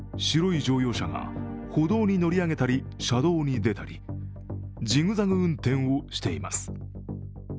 白い乗用車が歩道に乗り上げたり車道に出たりジグザグ運転をしています。